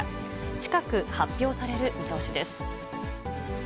近く、発表される見通しです。